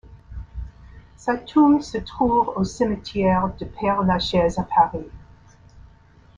Sa tombe se trouve au Cimetière du Père-Lachaise à Paris.